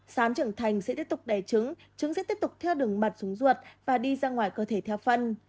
sán trưởng thành sẽ tiếp tục đẻ trứng trứng sẽ tiếp tục theo đường mật xuống ruột và đi ra ngoài cơ thể theo phân